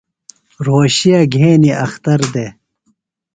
رھوشے گھینیۡ اختر دےۡ۔